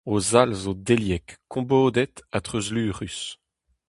O zall zo deliek, kombodet ha treuzluc'hus.